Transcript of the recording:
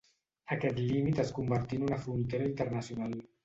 Aquest límit es convertí en una frontera internacional.